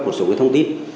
để phục vụ cho công tác